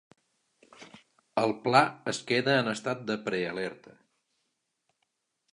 El pla es queda en estat de prealerta.